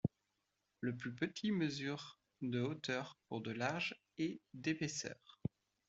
Le plus petit mesure de hauteur pour de large et d'épaisseur.